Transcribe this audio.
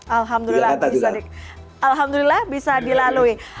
alhamdulillah bisa dilalui